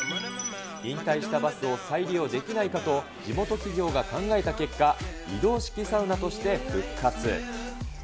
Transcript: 引退したバスを再利用できないかと、地元企業が考えた結果、移動式サウナとして復活。